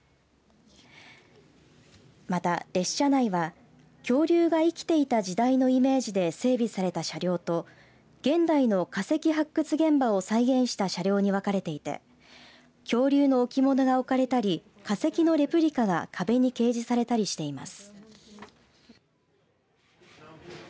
また、列車内は恐竜が生きていた時代のイメージで整備された車両と現代の化石発掘現場を再現した車両に分かれていて恐竜の置物が置かれたり化石のレプリカが壁に掲示されたりしています。